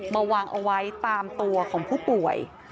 มาวางเอาไว้ตามตัวของผู้ป่วย